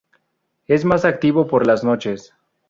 Es más activo por las noches.